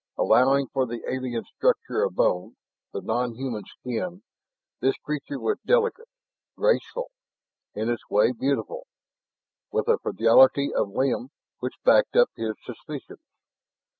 Allowing for the alien structure of bone, the nonhuman skin; this creature was delicate, graceful, in its way beautiful, with a fragility of limb which backed up his suspicions.